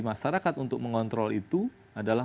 masyarakat untuk mengontrolnya adalah